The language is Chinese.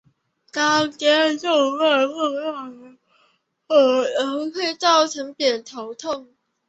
当颞动脉扩大时可能会造成偏头痛。